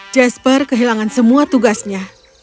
jasper kehilangan semua tugasnya